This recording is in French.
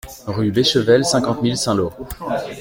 Rue Béchevel, cinquante mille Saint-Lô